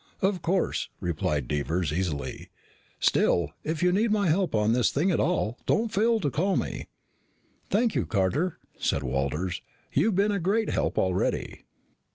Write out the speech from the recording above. "Of course," replied Devers easily. "Still, if you need my help on this thing at all, don't fail to call me." "Thank you, Carter," said Walters. "You've been a great help already."